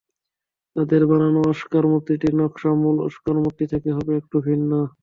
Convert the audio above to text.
তাঁদের বানানো অস্কার মূর্তিটির নকশা মূল অস্কার মূর্তি থেকে হবে একটু ভিন্ন।